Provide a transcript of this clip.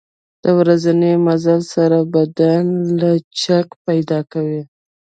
د ورځني مزل سره بدن لچک پیدا کوي.